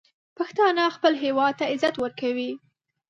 پښتانه خپل هیواد ته عزت ورکوي.